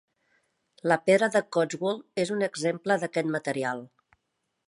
La pedra de Cotswold és un exemple d'aquest material.